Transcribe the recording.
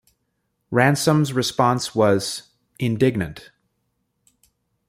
Ransome's response was "indignant".